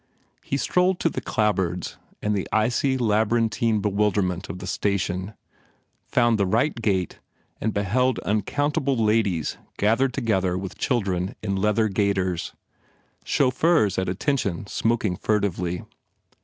He strolled to the clapboards and icy labyrinthine bewilderment of the station, found the right gate and beheld uncountable ladies gathered together with children in leather gaiters, chauffeurs at attention smoking furtively.